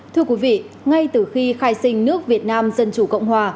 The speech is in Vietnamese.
thưa quý vị ngay từ khi khai sinh nước việt nam dân chủ cộng hòa